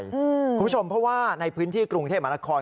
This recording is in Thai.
คุณผู้ชมเพราะว่าในพื้นที่กรุงเทพมหานคร